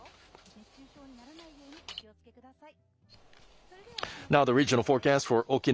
熱中症にならないようにお気をつけください。